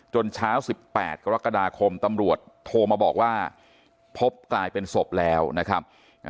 เช้า๑๘กรกฎาคมตำรวจโทรมาบอกว่าพบกลายเป็นศพแล้วนะครับ